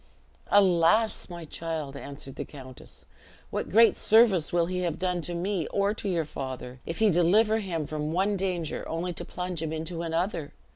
"Alas, my child!" answered the countess, "what great service will he have done to me or to your father, if he deliver him from one danger, only to plunge him into another?